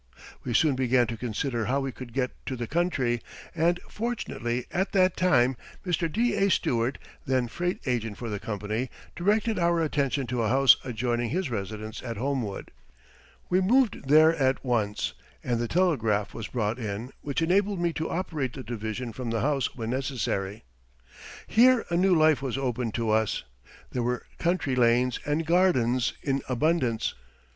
We soon began to consider how we could get to the country, and fortunately at that time Mr. D.A. Stewart, then freight agent for the company, directed our attention to a house adjoining his residence at Homewood. We moved there at once and the telegraph was brought in, which enabled me to operate the division from the house when necessary. Here a new life was opened to us. There were country lanes and gardens in abundance.